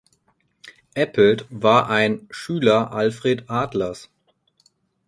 Appelt war ein Schüler Alfred Adlers.